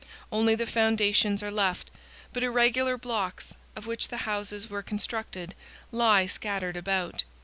Only the foundations are left, but irregular blocks, of which the houses were constructed, lie scattered about.